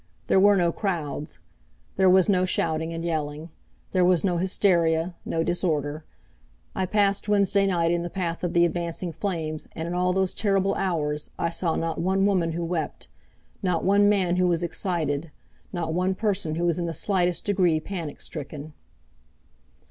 There were no crowds. There was no shouting and yelling. There was no hysteria, no disorder. I passed Wednesday night in the path of the advancing flames, and in all those terrible hours I saw not one woman who wept, not one man who was excited, not one person who was in the slightest degree panic stricken.